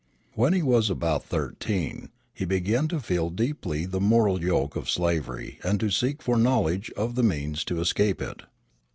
When he was about thirteen, he began to feel deeply the moral yoke of slavery and to seek for knowledge of the means to escape it.